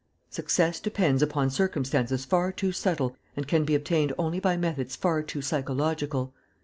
"Success depends upon circumstances far too subtle and can be obtained only by methods far too psychological.